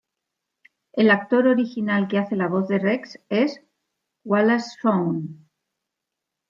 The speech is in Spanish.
El actor original que hace la voz de Rex, es Wallace Shawn.